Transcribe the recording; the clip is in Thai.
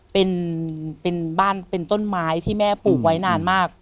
เป็นต้นไม้ที่แม่ปลูกไว้นานมาก